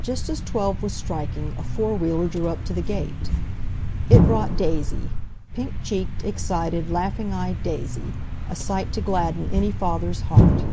Just as twelve was striking a four wheeler drew up to the gate. It brought Daisy—pink cheeked, excited, laughing eyed Daisy—a sight to gladden any father's heart.